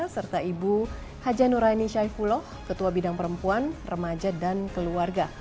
serta ibu haja nuraini syaifullah ketua bidang perempuan remaja dan keluarga